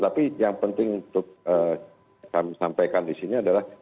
tapi yang penting untuk kami sampaikan di sini adalah